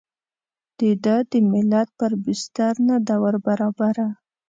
د ده د ملت پر بستر نه ده وربرابره.